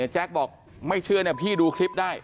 แจ็คบอกไม่เชื่อพี่ดูคลิปได้